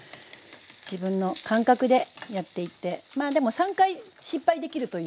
自分の感覚でやっていってまあでも３回失敗できるという。